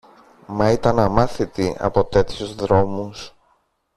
Μα ήταν αμάθητη από τέτοιους δρόμους.